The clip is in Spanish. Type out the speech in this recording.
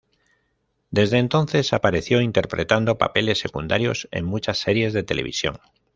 Desde entonces apareció interpretando papeles secundarios en muchas series de televisión.